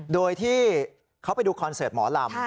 โดยที่เขาไปดูคอนเสิร์ตหมอลำ